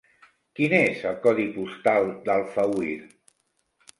Quin és el codi postal d'Alfauir?